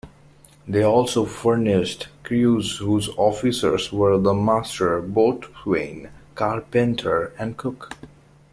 They also furnished crews whose officers were the Master, Boatswain, Carpenter and Cook.